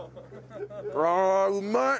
ああうまい！